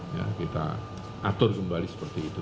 ya kita atur kembali seperti itu